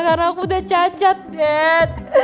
karena aku udah cacat dad